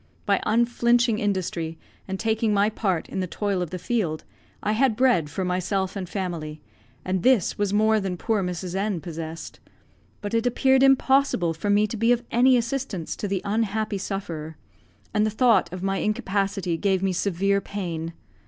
By unflinching industry, and taking my part in the toil of the field, I had bread for myself and family, and this was more than poor Mrs. N possessed; but it appeared impossible for me to be of any assistance to the unhappy sufferer, and the thought of my incapacity gave me severe pain.